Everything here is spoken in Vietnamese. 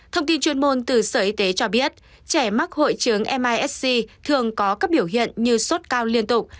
thông tin chuyên môn từ sở y tế cho biết trẻ mắc hội chứng misc thường có các biểu hiện như sốt cao liên tục